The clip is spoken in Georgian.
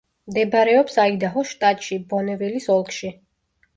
მდებარეობს აიდაჰოს შტატში, ბონევილის ოლქში.